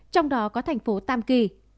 trong đó có thành phố tam kỳ